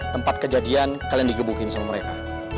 tempat kejadian kalian digebukin sama mereka